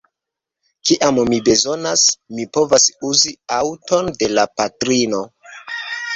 Kiam mi bezonas, mi povas uzi aŭton de la patrino.